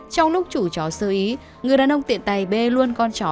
trong lúc chú chó sơ ý người đàn ông tiện tay bê luôn con chó